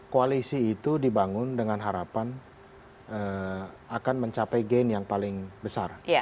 koalisi itu dibangun dengan harapan akan mencapai gain yang paling besar